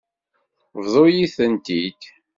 Bḍu-yi-tent-id.